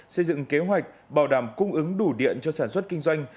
xây dựng kế hoạch bảo đảm cung ứng đủ điện cho sản xuất kinh doanh